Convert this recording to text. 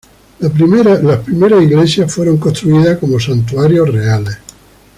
Las primeras iglesias fueron construidas como santuarios reales.